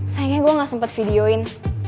sayangnya gue gak sempet videoin